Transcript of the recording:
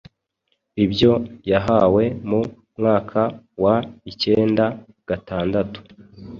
ibyo yahawe mu mwaka wa ikenda gatandatu